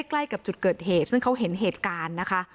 ใกล้กับจุดเกิดเหตุซึ่งเขาเห็นเหตุการณ์นะคะ